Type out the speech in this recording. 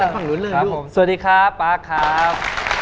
สวัสดีครับปั๊กครับ